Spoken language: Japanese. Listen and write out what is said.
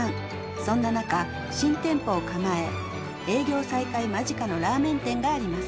そんな中新店舗を構え営業再開間近のラーメン店があります。